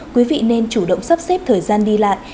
quý vị nên chủ động sắp xếp thời gian đi lại